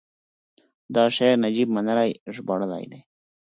دا شعر نجیب منلي ژباړلی دی: